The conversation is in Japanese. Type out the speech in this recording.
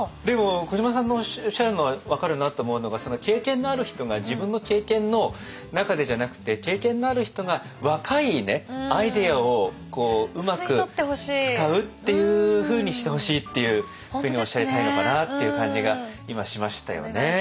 でも小島さんのおっしゃるのは分かるなと思うのがその経験のある人が自分の経験の中でじゃなくて経験のある人が若いアイデアをうまく使うっていうふうにしてほしいっていうふうにおっしゃりたいのかなっていう感じが今しましたよね。